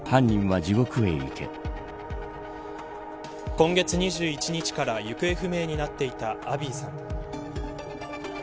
今月２１日から行方不明になっていたアビーさん。